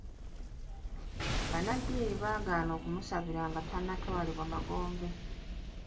Bannaddiini baagaana okumusabira nga tannatwalibwa magombe.